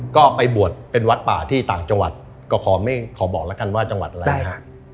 ก็ไปบวชเป็นวัดป่าที่ต่างจังหวัดก็ขอไม่ขอบอกแล้วกันว่าจังหวัดอะไรฮะ